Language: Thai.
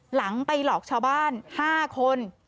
หลังไปหลอกชาวบ้าน๕คน